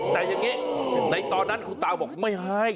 แต่อย่างนี้ในตอนนั้นคุณตาบอกไม่ให้